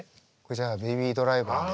じゃあ「ベイビー・ドライバー」で。